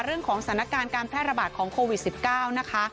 เรื่องของสถานการณ์การแพร่ระบาดของโควิด๑๙นะคะ